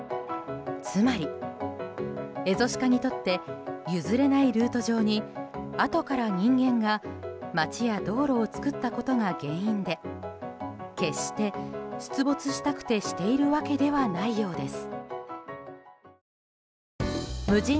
つまり、エゾシカにとって譲れないルート上にあとから人間が町や道路を作ったことが原因で決して出没したくてしているわけではないようです。